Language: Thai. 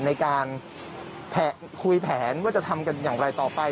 ในการแพะคุยแผนว่าจะทำอย่างอะไรต่อไป